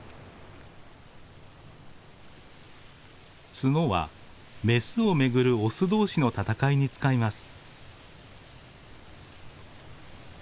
角はメスを巡るオス同士の戦いに使います。